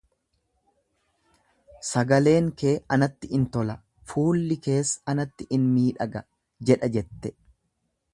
Sagaleen kee anatti in tola, fuulli kees anatti in miidhaga jedha jette.